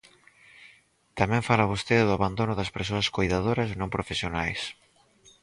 Tamén fala vostede do abandono das persoas coidadoras non profesionais.